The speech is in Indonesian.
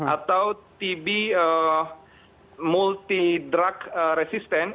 atau tb multi drug resistant